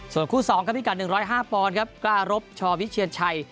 ส่วนคู่สองครับพี่กัด๑๐๕ปครับกล้ารบชอวิชเชียญชัย